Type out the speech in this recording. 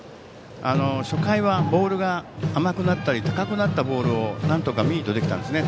初回はボールが甘くなったり高くなったボールをなんとかミートできたんですね。